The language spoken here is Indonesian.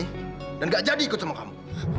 dan enggak jadi ikut sama kamu